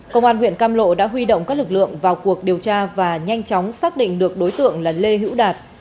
công an huyện cam lộ đã huy động các lực lượng vào cuộc điều tra và nhanh chóng xác định được đối tượng là lê hữu đạt